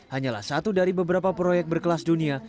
hanyalah satu dari beberapa proyek berkelas dunia